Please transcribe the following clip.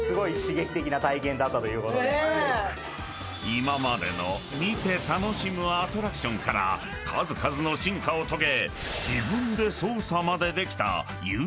［今までの見て楽しむアトラクションから数々の進化を遂げ］